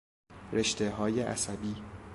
رشته های عصبی